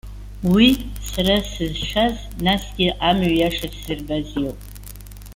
Уи, сара сызшаз, насгьы амҩа иаша сзырбаз иоуп.